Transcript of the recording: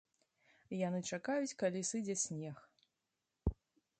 Яны чакаюць, калі сыдзе снег.